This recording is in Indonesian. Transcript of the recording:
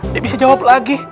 dia bisa jawab lagi